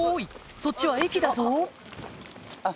そっちは駅だぞあ